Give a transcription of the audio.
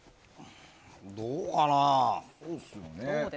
どうかな。